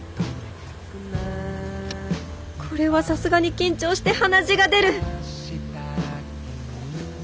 これはさすがに緊張して鼻血が出る！